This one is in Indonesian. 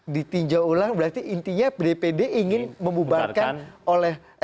ditinjau ulang berarti intinya dpd ingin membubarkan oleh